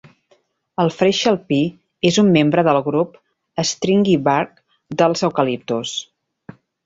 El freixe alpí és un membre del grup "Stringybark" dels eucaliptus.